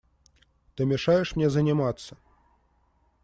Ты мешаешь мне заниматься.